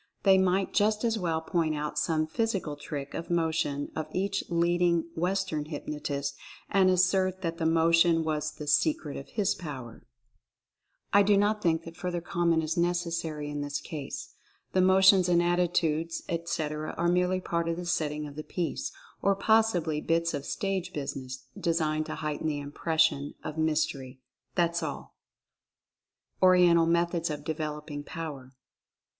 They might just as well point out some physical trick of motion of each leading Western hypnotist and assert that the motion was the "secret of his power." I do Oriental Fascination 167 not think that further comment is necessary in this case. The motions and attitudes, etc., are merely part of the setting of the piece, or possibly bits of "stage business," designed to heighten the impression of mys tery. That's all. ORIENTAL METHODS OF DEVELOPING POWER.